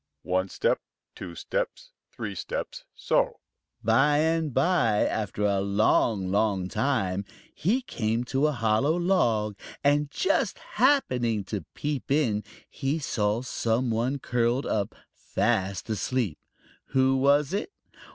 "One step, two steps, three steps, so!" By and by, after a long, long time, he came to a hollow log, and just happening to peep in, he saw some one curled up fast asleep. Who was it?